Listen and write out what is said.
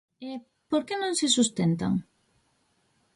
E, ¿por que non se sustentan?